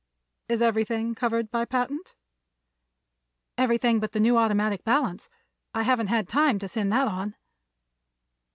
Is everything covered by patent?" "Everything but the new automatic balance. I haven't had time to send that on."